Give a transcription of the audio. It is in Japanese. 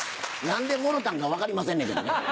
何でもろたんか分かりませんねやけどね。